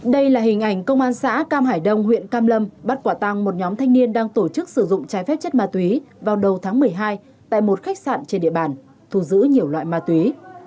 đây là hình ảnh công an xã cam hải đông huyện cam lâm bắt quả tăng một nhóm thanh niên đang tổ chức sử dụng trái phép chất ma túy vào đầu tháng một mươi hai tại một khách sạn trên địa bàn thu giữ nhiều loại ma túy